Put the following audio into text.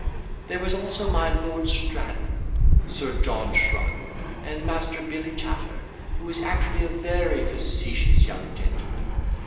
There was also my Lord Straddle. Sir John Shrug, and Master Billy Chatter, who is actually a very facetious young gentleman.